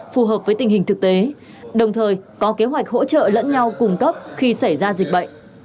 phù hợp với tình hình thực tế đồng thời có kế hoạch hỗ trợ lẫn nhau cung cấp khi xảy ra dịch bệnh